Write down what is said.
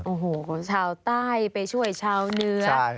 โอ้โหของชาวใต้ไปช่วยชาวเหนือ